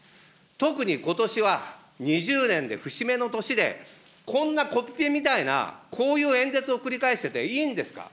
特にことしは２０年で節目の年で、こんなみたいなこういう演説を繰り返してていいんですか。